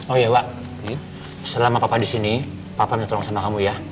oh iya pak selama papa disini papa mau tolong sama kamu ya